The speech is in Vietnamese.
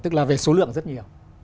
tức là về số lượng rất nhiều